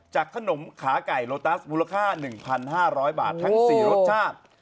ขนมขาไก่โลตัสมูลค่า๑๕๐๐บาททั้ง๔รสชาติ